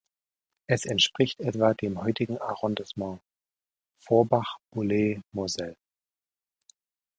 Es entspricht etwa dem heutigen Arrondissement Forbach-Boulay-Moselle.